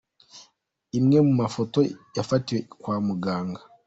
Imwe mu mafoto yafatiwe kwa muganga.